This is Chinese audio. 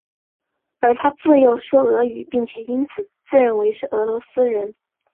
而他自幼说俄语并且因此自认为是俄罗斯人。